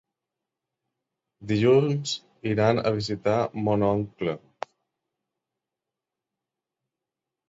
Dilluns iran a visitar mon oncle.